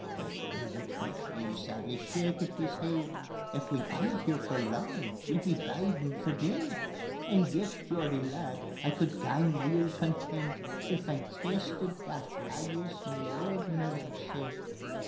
Then Private McPhee sadly shakit his heid: "If we bide here for lang, we'll be bidin' for deid. And yet, Geordie lad, I could gang weel content If I'd tasted that haggis ma auld mither sent."